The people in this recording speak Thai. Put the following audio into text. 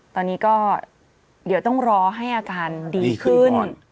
ตอนนี้ก็เดี๋ยวต้องรอให้อาการดีขึ้น